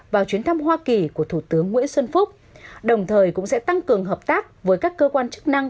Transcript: vào chuyến thăm hoa kỳ của thủ tướng nguyễn xuân phúc đồng thời cũng sẽ tăng cường hợp tác với các cơ quan chức năng